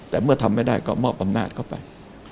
แต่เมื่อทำไม่ได้ก็มอบอำนาจเข้าไป